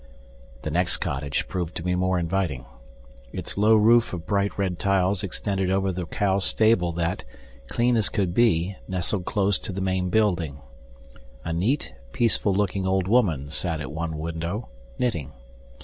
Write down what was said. The next cottage proved to be more inviting. Its low roof of bright red tiles extended over the cow stable that, clean as could be, nestled close to the main building. A neat, peaceful looking old woman sat at one window, knitting.